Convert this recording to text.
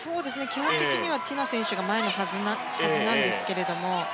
基本的にはティナ選手が前のはずなんですけれども。